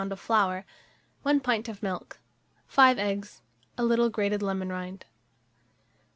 of flour, 1 pint of milk, 5 eggs, a little grated lemon rind.